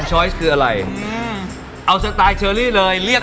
ชอยสคืออะไรอืมเอาสไตล์เชอรี่เลยเรียก